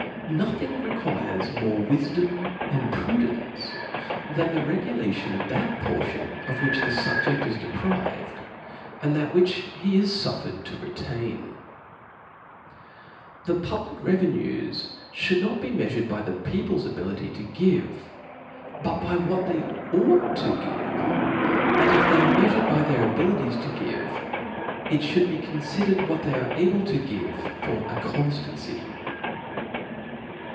'^•'•. Nothing requires more wifdom and prudence than the regulation of that portion of which, the fiibjeA is deprived, and that which he is fufiertd to retain. Vol. I. X The 3o6 ,T H E S P I R I T Book The public revenues (hould not be meafured by c^p/a. the people's abilities to give, but by what they ought to give ; and if they are meafured by their abilities to give, it fhould be confidered what they are able to give for a conftancy.